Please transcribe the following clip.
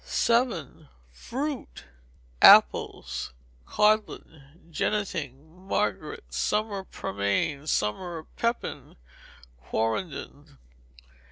vii. Fruit. Apples: Codlin, jennetting, Margaret, summer pearmain, summer pippin, quarrenden.